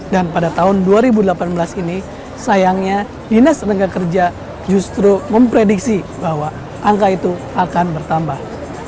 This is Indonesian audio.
dan pada tahun dua ribu delapan belas ini sayangnya dinas tengah kerja justru memprediksi bahwa angka itu akan bertambah